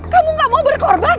kamu gak mau berkorban